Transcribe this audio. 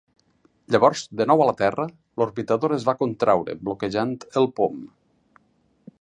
Llavors, de nou a la Terra, l'orbitador es va contraure, bloquejant el pom.